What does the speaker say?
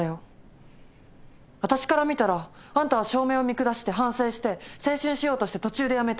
私から見たらあんたは照明を見下して反省して青春しようとして途中でやめた。